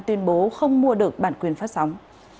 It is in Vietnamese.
tuyên bố không mua được bản quyền phát sóng